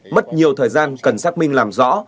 mất nhiều thời gian cần xác minh làm rõ